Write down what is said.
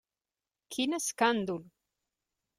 Quin escàndol!